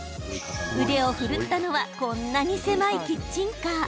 腕を振るったのはこんなに狭いキッチンカー。